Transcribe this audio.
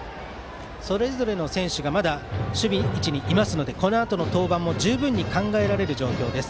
それぞれの選手がまだ守備位置にいますのでこのあとの登板も十分考えられる状況です。